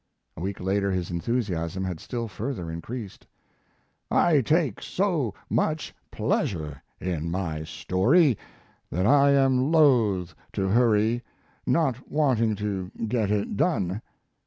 A week later his enthusiasm had still further increased: I take so much pleasure in my story that I am loath to hurry, not wanting to get it done.